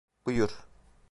Buyur.